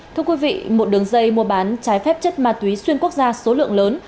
thưa quý vị một đường dây mua bán trái phép chất ma túy xuyên quốc gia số lượng lớn